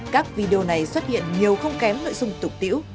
các video này xuất hiện nhiều không kém nội dung tục tiễu